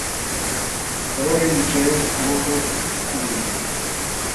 Karoli yicaye ku kuboko k'uburiri.